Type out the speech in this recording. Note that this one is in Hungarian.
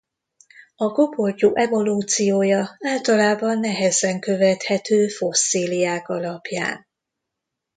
A kopoltyú evolúciója általában nehezen követhető fosszíliák alapján.